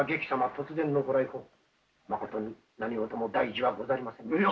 突然のご来訪まことに何事も大事はござりませんでしたか？